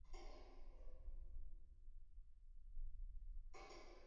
La pareja tuvo dos hijos, Jean Rosemary Meares y John Willoughby Meares.